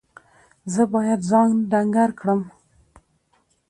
زه باید ځان ډنګر کړم.